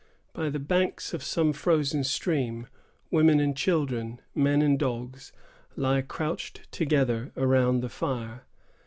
By the banks of some frozen stream, women and children, men and dogs, lie crouched together around the fire.